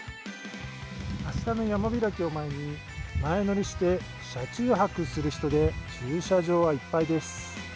明日の山開きを前に前乗りして車中泊する人で駐車場はいっぱいです。